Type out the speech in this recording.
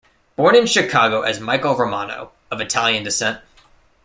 Born in Chicago as Michael Romano, of Italian descent.